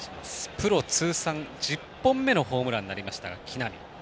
プロ通算１０本目のホームランになりました、木浪。